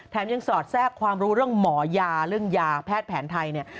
ยังสอดแทรกความรู้เรื่องหมอยาเรื่องยาแพทย์แผนไทยเนี่ย